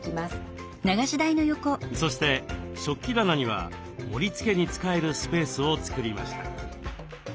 そして食器棚には盛りつけに使えるスペースを作りました。